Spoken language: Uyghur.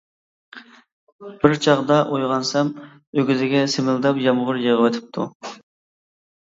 بىر چاغدا ئويغانسام، ئۆگزىگە سىمىلداپ يامغۇر يېغىۋېتىپتۇ.